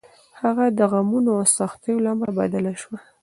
هغه د غمونو او سختیو له امله بدله شوه.